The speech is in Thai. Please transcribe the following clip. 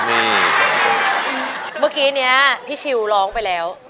เมื่อกี้นี้พี่ชิวร้องไปแล้ว